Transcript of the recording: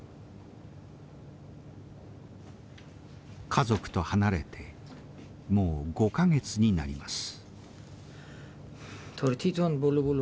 家族と離れてもう５か月になります。